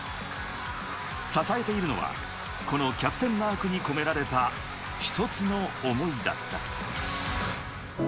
支えているのはこのキャプテンマークに込められた一つの想いだった。